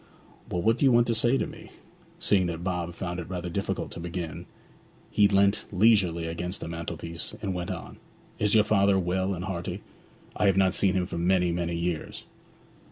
'Well, what do you want to say to me?' Seeing that Bob found it rather difficult to begin, he leant leisurely against the mantelpiece, and went on, 'Is your father well and hearty? I have not seen him for many, many years.'